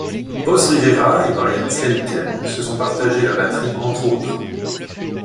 Boz Rivera et Brian Flenniken se sont partagé la batterie entre autres.